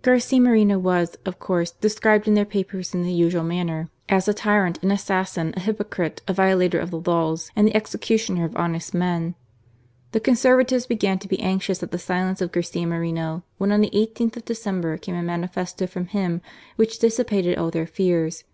Garcia Moreno was, of course, described in their papers in the usual manner "as a tyrant, an assassin, a hypocrite, a violator of the laws, and the executioner of honest men." The Conservatives began to be anxious at the silence of Garcia Moreno, when on the i8th of December came a manifesto from him which dissi pated all their fears.